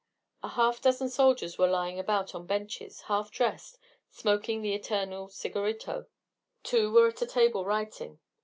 A half dozen soldiers were lying about on benches, half dressed, smoking the eternal cigarrito. Two were at a table writing.